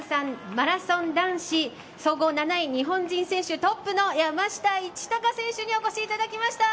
マラソン男子総合７位日本人選手トップの山下一貴選手にお越しいただきました。